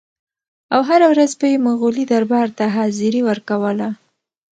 او هره ورځ به یې مغولي دربار ته حاضري ورکوله.